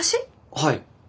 はい。